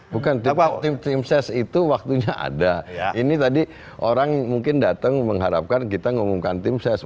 bukan tim ses itu waktunya ada ini tadi orang mungkin datang mengharapkan kita ngomongkan tim ses